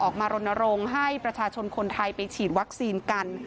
รณรงค์ให้ประชาชนคนไทยไปฉีดวัคซีนกัน